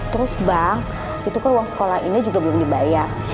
terus bang itu kan uang sekolah ini juga belum dibayar